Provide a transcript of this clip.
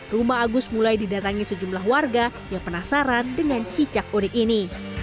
rumah agus mulai didatangi sejumlah warga yang penasaran dengan cicak unik ini